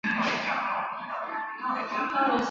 默尔敦星孔珊瑚为轴孔珊瑚科星孔珊瑚下的一个种。